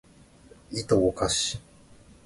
いとをかし